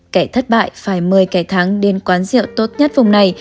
kẻ thất bại phải mời kẻ thắng đến quán rượu tốt nhất vùng này